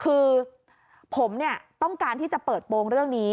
คือผมต้องการที่จะเปิดโปรงเรื่องนี้